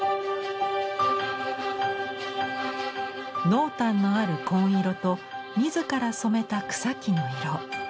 濃淡のある紺色と自ら染めた草木の色。